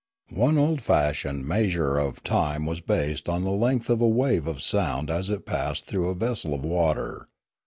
One old fashioned measurer of time was based on the length of a wave of sound as it passed through a vessel of water.